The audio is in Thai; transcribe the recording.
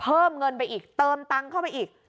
เพิ่มเงินไปอีกเติมตังค์เข้าไปอีก